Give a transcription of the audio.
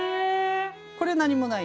これ何もない。